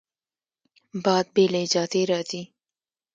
باد بې له اجازې راځي